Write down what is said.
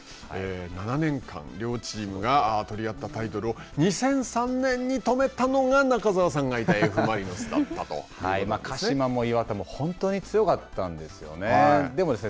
７年間、両チームが取り合ったタイトルを２００３年に止めたのが、中澤さんがいたＦ・マリノスだったということですね。